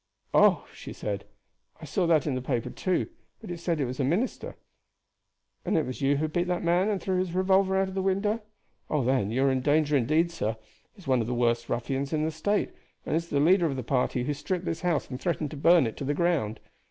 "Oh!" she said, "I saw that in the paper too, but it said that it was a minister. And it was you who beat that man and threw his revolver out of the window? Oh, then, you are in danger indeed, sir. He is one of the worst ruffians in the State, and is the leader of the party who stripped this house and threatened to burn it to the ground.